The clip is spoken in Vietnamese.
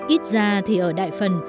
ít ra thì ở đại phần